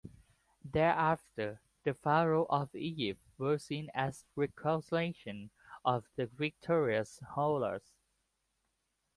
Thereafter, the pharaohs of Egypt were seen as reincarnations of the victorious Horus.